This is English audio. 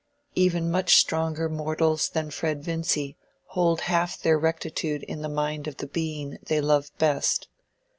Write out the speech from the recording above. Even much stronger mortals than Fred Vincy hold half their rectitude in the mind of the being they love best.